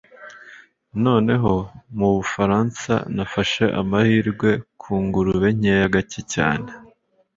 noneho mubufaransa nafashe amahirwe ku ngurube nkeya gake cyane